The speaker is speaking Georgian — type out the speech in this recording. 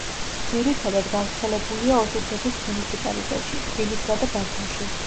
ძირითადად გავრცელებულია ოზურგეთის მუნიციპალიტეტში, თბილისსა და ბათუმში.